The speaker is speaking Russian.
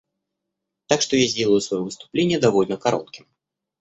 Так что я сделаю свое выступление довольно коротким.